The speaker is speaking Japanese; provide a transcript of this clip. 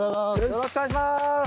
よろしくお願いします！